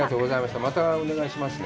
またお願いしますね。